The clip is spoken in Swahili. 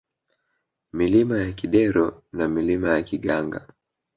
Milima ya Kidero na Milima ya Kiganga